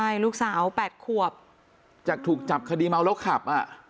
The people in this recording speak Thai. ถึงจะถูกจับคดีเมาส์แล้วขับ